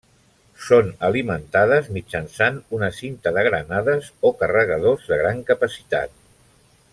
Són alimentades mitjançant una cinta de granades o carregadors de gran capacitat.